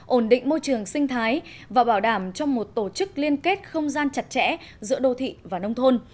ổn định môi trường sinh thái và bảo đảm cho một tổ chức liên kết không gian chặt chẽ giữa đô thị và nông thôn